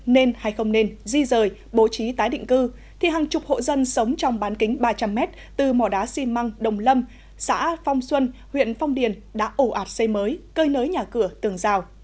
nên hay không nên di rời bố trí tái định cư thì hàng chục hộ dân sống trong bán kính ba trăm linh m từ mỏ đá xi măng đồng lâm xã phong xuân huyện phong điền đã ủ ạt xây mới cơi nới nhà cửa tường rào